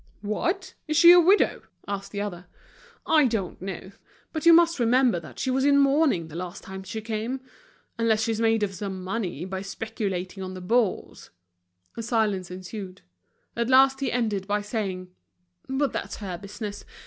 "What! is she a widow?" asked the other. "I don't know; but you must remember that she was in mourning the last time she came. Unless she's made some money by speculating on the Bourse." A silence ensued. At last he ended by saying: "But that's her business.